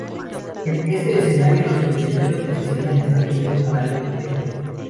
En este escenario los prisioneros necesitan establecer un canal encubierto.